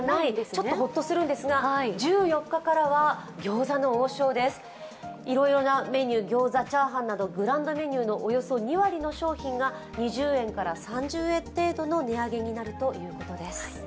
ちょっとホッとするんですが、１４日からは餃子の王将です、いろいろなメニュー、餃子、炒飯などグランドメニューのおよそ２割の商品が２０円から３０円程度の値上げになるということです。